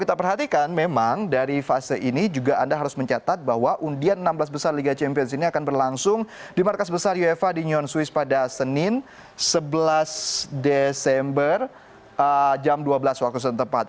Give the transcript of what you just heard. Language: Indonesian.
kita perhatikan memang dari fase ini juga anda harus mencatat bahwa undian enam belas besar liga champions ini akan berlangsung di markas besar uefa di nyon swiss pada senin sebelas desember jam dua belas waktu setempat